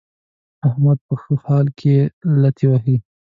احمد په ښه حال کې لتې وهي.